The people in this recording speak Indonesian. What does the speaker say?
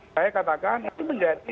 saya katakan itu menjadi